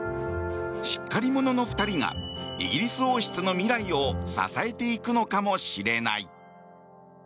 しっかり者の２人がイギリス王室の未来を支えていくのかもしれない。